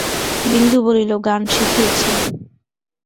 বিন্দু বলিল, গান শিখিয়েছেন।